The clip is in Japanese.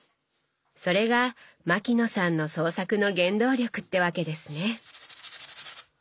それが牧野さんの創作の原動力ってわけですね。